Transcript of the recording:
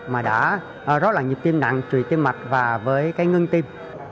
mà đã rất là nhiệt tim nặng trùy tim mạch và với cái ngưng tim